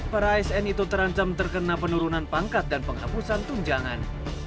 para asn itu terancam terkena penurunan pangkat dan penghapusan tunjangan